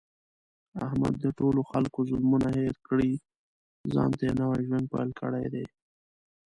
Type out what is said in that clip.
احمد د ټولو خلکو ظلمونه هېر کړي، ځانته یې نوی ژوند پیل کړی دی.